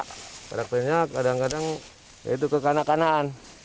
karakternya kadang kadang itu kekanak kanaan